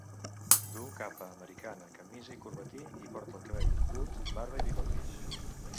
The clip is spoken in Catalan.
Duu capa, americana, camisa i corbatí, i porta el cabell curt, barba i bigoti.